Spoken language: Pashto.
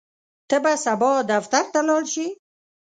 ته به سبا دفتر ته لاړ شې؟